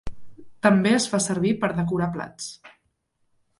També es fa servir per decorar plats.